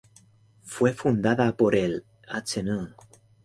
Fue fundada por el Hno.